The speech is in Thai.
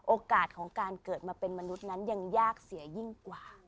โอกาสของการเกิดมาเป็นมนุษย์นั้นยังยากเสียยิ่งกว่า